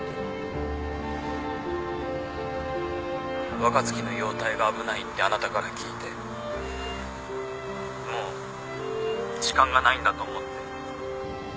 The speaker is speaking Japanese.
若槻の容体が危ないってあなたから聞いてもう時間がないんだと思って。